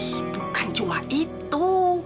iih bukan cuma itu